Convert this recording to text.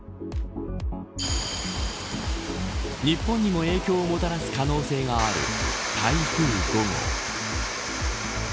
日本にも影響をもたらす可能性がある台風５号。